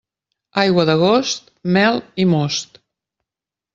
Aigua d'agost, mel i most.